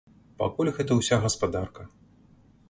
Пакуль гэта ўся гаспадарка.